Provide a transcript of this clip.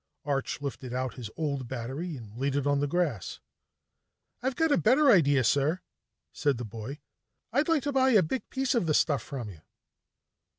Arch lifted out his old battery and laid it on the grass. "I've got a better idea, sir," said the boy. "I'd like to buy a big piece of the stuff from you."